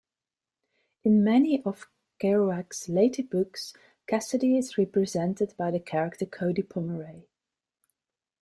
In many of Kerouac's later books, Cassady is represented by the character Cody Pomeray.